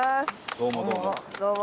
どうもどうも。